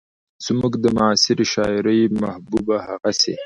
زموږ د معاصرې شاعرۍ محبوبه هغسې